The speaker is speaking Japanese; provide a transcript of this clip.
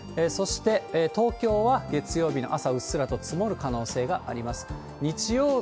そして東京は月曜日の朝、うっすらと積もる可能性があります。